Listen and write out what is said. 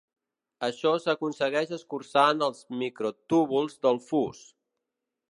Això s'aconsegueix escurçant els microtúbuls del fus.